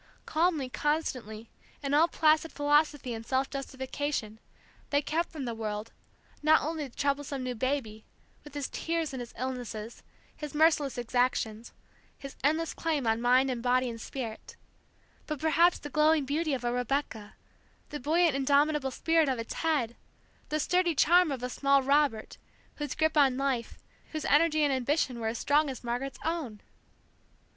Calmly, constantly, in all placid philosophy and self justification, they kept from the world not only the troublesome new baby, with his tears and his illnesses, his merciless exactions, his endless claim on mind and body and spirit but perhaps the glowing beauty of a Rebecca, the buoyant indomitable spirit of a Ted, the sturdy charm of a small Robert, whose grip on life, whose energy and ambition were as strong as Margaret's own!